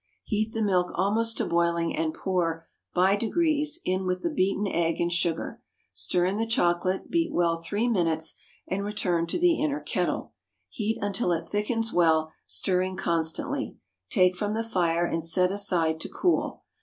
Heat the milk almost to boiling, and pour, by degrees, in with the beaten egg and sugar. Stir in the chocolate, beat well three minutes, and return to the inner kettle. Heat until it thickens well, stirring constantly; take from the fire and set aside to cool.